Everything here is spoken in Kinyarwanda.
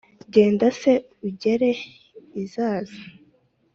Genda se ugere i Zaza: